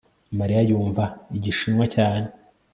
mariya yumva igishinwa cyane